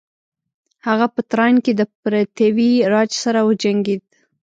هغه په تراین کې د پرتیوي راج سره وجنګید.